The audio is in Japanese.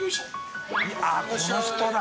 ◆舛この人だ。